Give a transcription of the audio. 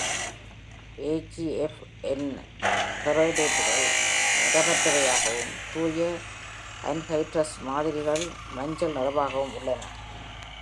AgF இன் ஹைட்ரேட்டுகள் நிறமற்றவையாகவும், தூய அன்ஹைட்ரஸ் மாதிரிகள் மஞ்சள் நிறமாகவும் உள்ளன.